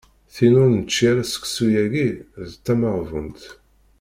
Tin ur nečči ara seksu-yagi d tameɣbunt.